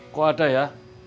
kok ada ya